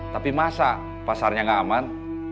tapi masa pasarnya nggak aman